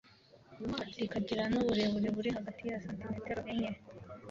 rikagira n’uburebure buri hagati ya santimetero enye.